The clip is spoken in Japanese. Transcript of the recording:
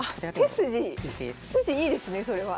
筋いいですねそれは。